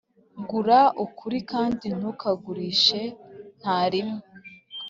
Gura ukuri kandi ntukakugurishe ntarimwe.